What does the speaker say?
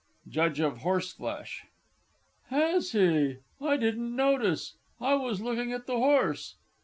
JUDGE OF HORSEFLESH. Has he? I didn't notice I was looking at the horse.